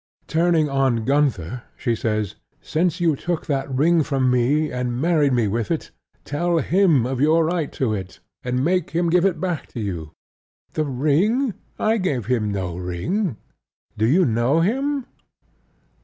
Turning on Gunther, she says "Since you took that ring from me, and married me with it, tell him of your right to it; and make him give it back to you." Gunther stammers, "The ring! I gave him no ring er do you know him?"